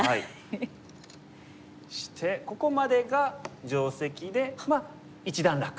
ここまでが定石でまあ一段落。